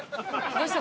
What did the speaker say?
どうした？